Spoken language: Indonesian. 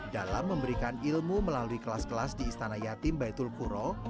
dalam memberikan ilmu melalui kelas kelas di istana yatim baitul kuro